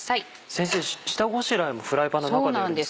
先生下ごしらえもフライパンの中でやるんですか？